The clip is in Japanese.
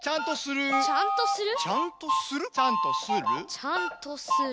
ちゃんとする。